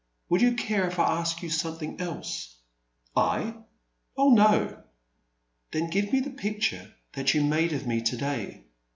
Will you care if I ask you something else ?" ''I? Oh, no." Then give me the picture that you made of me to day."